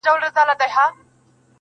د ځوانيمرگي ښکلا زور، په سړي خوله لگوي~